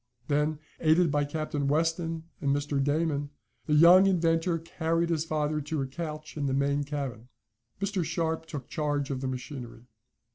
Then, aided by Captain Weston and Mr. Damon, the young inventor carried his father to a couch in the main cabin. Mr. Sharp took charge of the machinery.